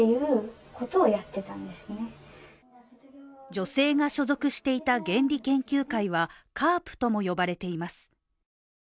女性が所属していた原理研究会はＣＡＲＰとも呼ばれています。